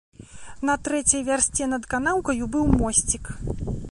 На трэцяй вярсце над канаўкаю быў мосцік.